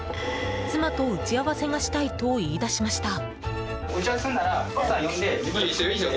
妻と打ち合わせがしたいと言い出しました。